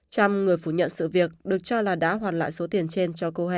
trump người phủ nhận sự việc được cho là đã hoàn lại số tiền